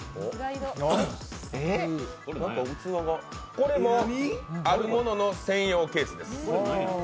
これもあるものの専用ケースです。